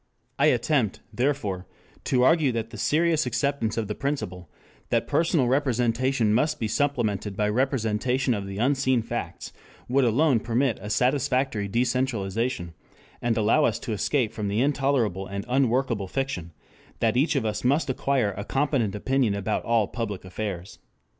I attempt, therefore, to argue that the serious acceptance of the principle that personal representation must be supplemented by representation of the unseen facts would alone permit a satisfactory decentralization, and allow us to escape from the intolerable and unworkable fiction that each of us must acquire a competent opinion about all public affairs.